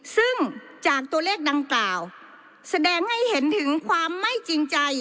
ซึ่งจากตัวเลขดังกล่าวแสดงให้เห็นถึงความไม่จริงใจ